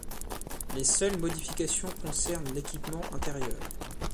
Les seules modifications concernent l'équipement intérieur.